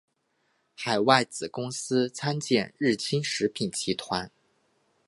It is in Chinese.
海外子公司参见日清食品集团。